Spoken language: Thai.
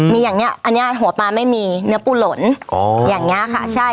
มีอย่างเนี้ยอันนี้หัวปลาไม่มีเนื้อปูหล่นอ๋ออย่างนี้ค่ะใช่